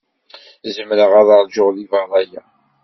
Zemreɣ ad ṛjuɣ deg beṛṛa-a.